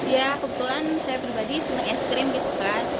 ya kebetulan saya berbagi es krim gitu kan